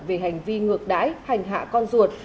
về hành vi ngược đái hành hạ con ruột